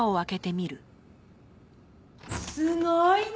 すごいね。